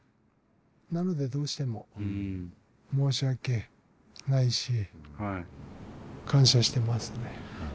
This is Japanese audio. なのでどうしても申し訳ないし感謝してますね。